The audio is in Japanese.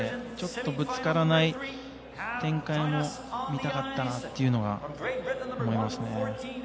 ちょっとぶつからない展開も見たかったかなというのが思いますね。